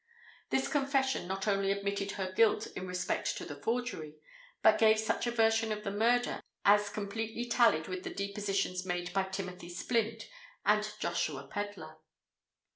This confession not only admitted her guilt in respect to the forgery—but gave such a version of the murder, as completely tallied with the depositions made by Timothy Splint and Joshua Pedler.